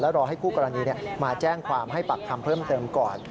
รอให้คู่กรณีมาแจ้งความให้ปักคำเพิ่มเติมก่อน